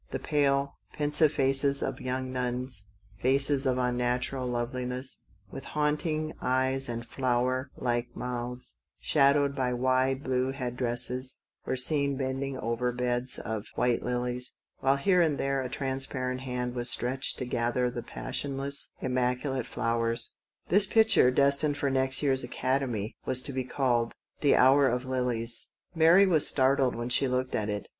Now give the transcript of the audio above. The pale pensive faces of young nuns, faces of un natural loveliness, with haunting eyes and flower like mouths, shadowed by wide blue head dresses, were seen bending over beds of tall white lilies, while here and there a trans parent hand was stretched to gather the passionless, immaculate flowers. This pic ture, destined for next year's Academy, was to be called "The Hour of Lilies." Mary was startled when she looked at it.